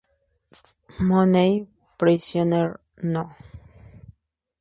Mooney, prisoner No.